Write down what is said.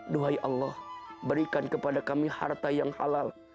duhai allah berikan kepada kami harta yang halal